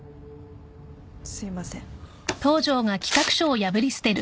すいません。